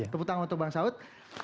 keputangan untuk bang saud